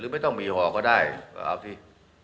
หรือไม่ต้องมีหอก็ได้เอาที่